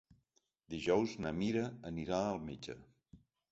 Dijous na Mira anirà al metge.